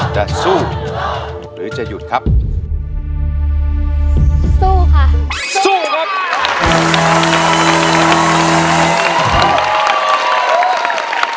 จะสู้หรือจะหยุดครับสู้ค่ะสู้ครับ